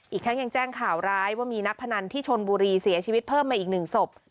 อีกทั้งยังแจ้งข่าวร้ายว่ามีนักพนันที่ชนบุรีเสียชีวิตเพิ่มมาอีกหนึ่งศพ